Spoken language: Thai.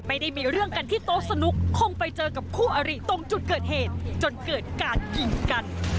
ไม่ได้มีเรื่องกันที่โต๊ะสนุกคงไปเจอกับคู่อริตรงจุดเกิดเหตุจนเกิดการยิงกัน